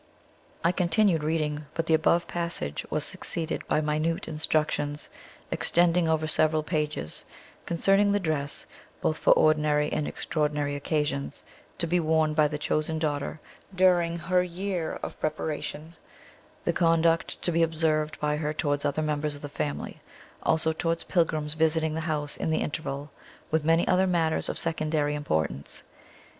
I continued reading, but the above passage was succeeded by minute instructions, extending over several pages, concerning the dress, both for ordinary and extraordinary occasions, to be worn by the chosen daughter during her year of preparation: the conduct to be observed by her towards other members of the family, also towards pilgrims visiting the house in the interval, with many other matters of secondary importance.